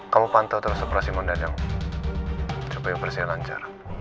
kamu pantau terus operasi mondan yang coba yang berhasil lancar